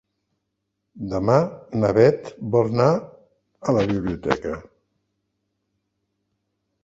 Demà na Bet vol anar a la biblioteca.